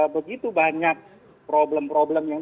begitu banyak problem problem yang